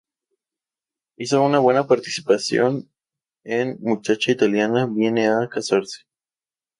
Hizo una buena participación en Muchacha italiana viene a casarse.